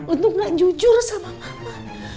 untuk gak jujur sama mama